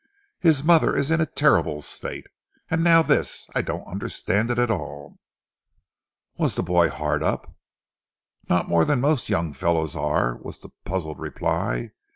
"His mother is in a terrible state. And now this, I don't understand it at all." "Was the boy hard up?" "Not more than most young fellows are," was the puzzled reply.